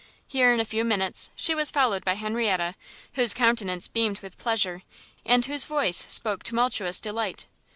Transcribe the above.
Here, in a few minutes, she was followed by Henrietta, whose countenance beamed with pleasure, and whose voice spoke tumultuous delight.